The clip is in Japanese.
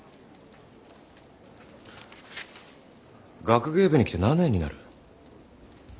学芸部に来て何年になる？